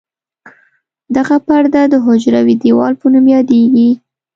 دغه پرده د حجروي دیوال په نوم یادیږي.